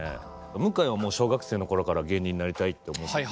向井は、もう小学生のころから芸人になりたいと思ってて。